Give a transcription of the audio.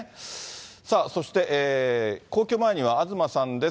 さあ、そして皇居前には東さんです。